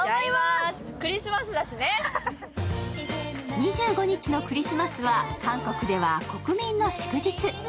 ２５日のクリスマスは韓国では国民の祝日。